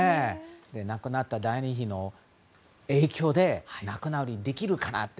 亡くなったダイアナ妃の影響で仲直りできるかなと。